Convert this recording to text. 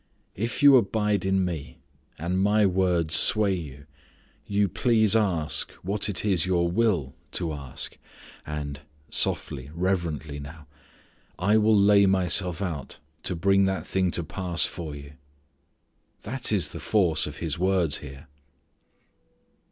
"If you abide in Me, and My words sway you, you please ask what it is your will to ask. And softly, reverently now I will lay Myself out to bring that thing to pass for you." That is the force of His words here.